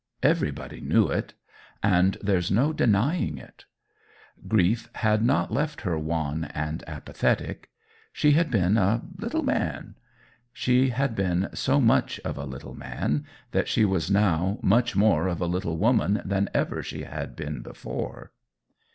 Everybody knew it; and there's no denying it. Grief had not left her wan and apathetic. She had been "a little man." She had been so much of a little man that she was now much more of a little woman than ever she had been before.